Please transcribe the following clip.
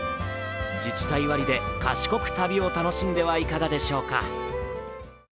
自治体割で賢く旅を楽しんではいかがでしょうか。